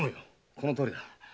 このとおりだ。